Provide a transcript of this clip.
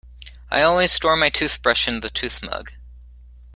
I always store my toothbrush in the toothmug.